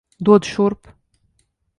Dod šurp!